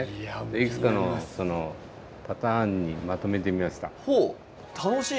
いくつかのパターンにまとめてみました。